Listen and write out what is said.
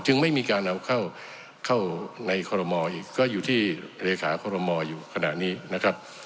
ไม่มีการเอาเข้าในคอรมออีกก็อยู่ที่เลขาคอรมออยู่ขณะนี้นะครับ